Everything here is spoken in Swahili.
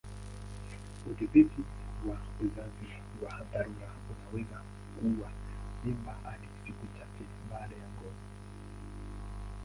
Udhibiti wa uzazi wa dharura unaweza kuua mimba hadi siku chache baada ya ngono.